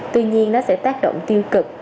tuy nhiên nó sẽ tác động tiêu cực